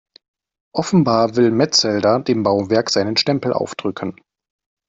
Offenbar will Metzelder dem Bauwerk seinen Stempel aufdrücken.